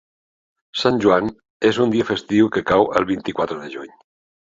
Sant Joan és un dia festiu que cau el vint-i-quatre de juny.